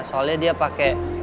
soalnya dia pake